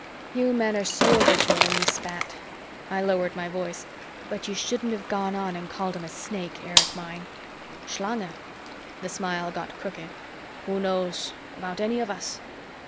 "You men are so original when you spat." I lowered my voice. "But you shouldn't have gone on and called him a Snake, Erich mine." "Schlange?" The smile got crooked. "Who knows about any of us?